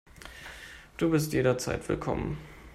Du bist jederzeit willkommen.